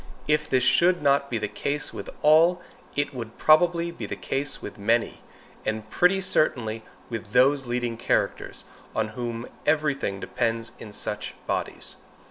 If this should not be the case with all, it would probably be the case with many, and pretty certainly with those leading characters, on whom every thing depends in such bodies.